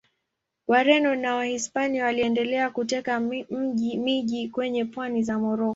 Wareno wa Wahispania waliendelea kuteka miji kwenye pwani za Moroko.